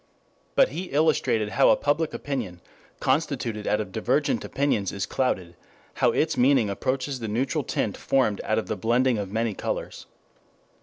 But he illustrated how a public opinion constituted out of divergent opinions is clouded; how its meaning approaches the neutral tint formed out of the blending of many colors.